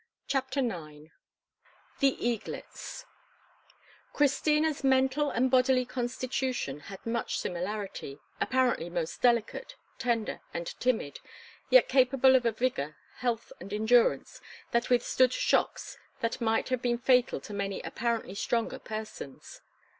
CHAPTER IX THE EAGLETS CHRISTINA'S mental and bodily constitution had much similarity—apparently most delicate, tender, and timid, yet capable of a vigour, health, and endurance that withstood shocks that might have been fatal to many apparently stronger persons.